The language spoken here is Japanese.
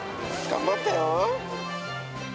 頑張ったよ。